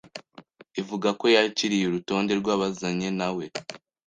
ivuga ko yakiriye urutonde rw'abazanye nawe